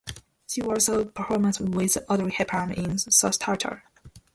She also performed with Audrey Hepburn in "Sauce Tartare".